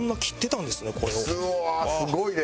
うわーすごいで。